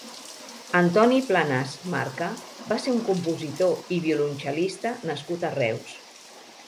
Antoni Planàs Marca va ser un compositor i violoncel·lista nascut a Reus.